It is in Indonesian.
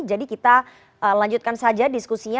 jadi kita lanjutkan saja diskusinya